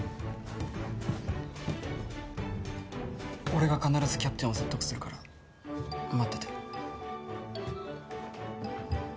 俺が必ずキャプテンを説得するから待ってて。